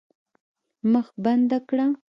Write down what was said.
مخ بنده کړه.